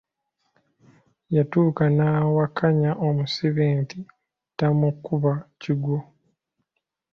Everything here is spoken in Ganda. Yatuuka n'awakanya omusibe nti tamukuba kigwo.